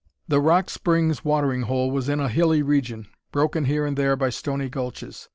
The Rock Springs watering hole was in a hilly region, broken here and there by stony gulches.